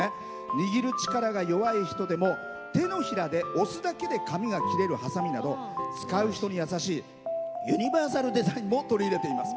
握る力が弱い人でも手のひらで押すだけで紙が切れるハサミなど使う人に優しいユニバーサルデザインも取り入れています。